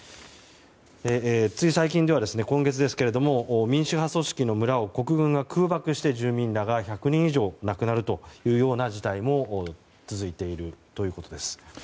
つい最近では、今月ですけれども民主派組織の村を国軍が空爆して住民らが１００人以上亡くなる事態も続いているということです。